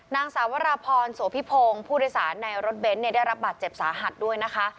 นางสาวราพรโสพิพงศ์ผู้โดยสารในรถเบนท์ได้รับบาดเจ็บสาหัสด้วยนะคะ